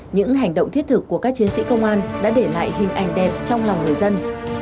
những hành động thiết thực của các chiến sĩ công an đã để lại hình ảnh đẹp trong lòng người dân